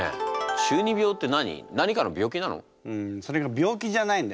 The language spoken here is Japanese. んそれが病気じゃないんだよね。